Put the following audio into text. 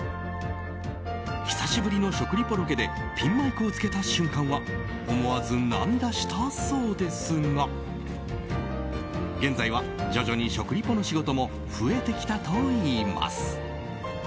久しぶりの食リポロケでピンマイクをつけた瞬間は思わず涙したそうですが現在は徐々に食リポの仕事も増えてきたといいます。